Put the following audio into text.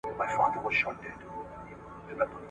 څه مالونه مي راغلي له اېران دي `